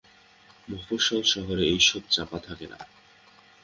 মফস্বল শহরে এইসব চাপা থাকে না।